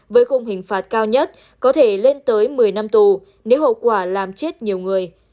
với khung hình phạt cao nhất có thể lên tới một mươi năm tù nếu hậu quả làm chết nhiều người